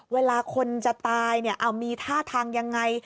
เวลาคนจะตายมีท่าทางยังไง